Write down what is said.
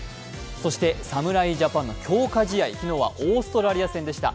そして侍ジャパンの強化試合、昨日はオーストラリア戦でした。